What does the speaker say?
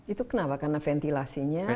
itu kenapa karena ventilasinya